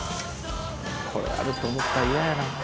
これあると思ったら嫌やな。